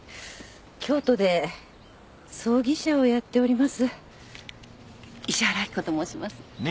京都で葬儀社をやっております石原明子と申します。